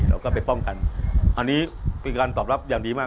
เราก็ไปป้องกันอันนี้เป็นการตอบรับอย่างดีมาก